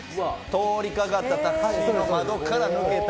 通りかかったタクシーの窓から抜けた。